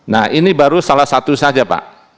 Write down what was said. nah ini baru salah satu saja pak